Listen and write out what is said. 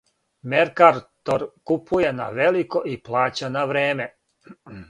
Меркатор купује на велико и плаћа на време.